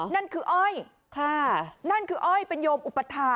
นั่นคืออ้อยนั่นคืออ้อยเป็นโยมอุปถา